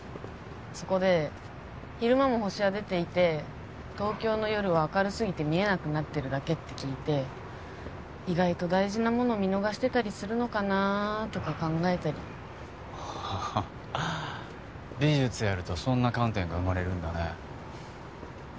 そこで昼間も星は出ていて東京の夜は明るすぎて見えなくなってるだけって聞いて意外と大事なもの見逃してたりするのかなーとか考えたり美術やるとそんな観点が生まれるんだね